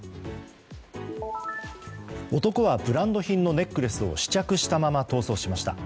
男はブランド品のネックレスを試着したまま逃走しました。